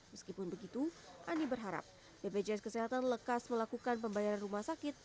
meskipun begitu ani berharap bpjs kesehatan lekas melakukan pembayaran rumah sakit